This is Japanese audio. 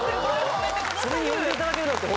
それに呼んでいただけるなんて。